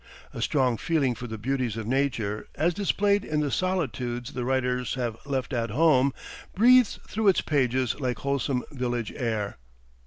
A strong feeling for the beauties of nature, as displayed in the solitudes the writers have left at home, breathes through its pages like wholesome village air....